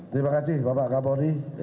terima kasih bapak kabupaten